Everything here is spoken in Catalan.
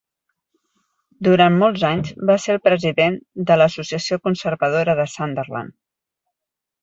Durant molts anys va ser el president de l'Associació Conservadora de Sunderland.